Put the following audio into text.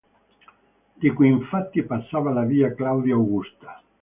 Di qui infatti passava la Via Claudia Augusta.